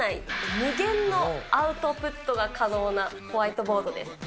無限のアウトプットが可能なホワイトボードです。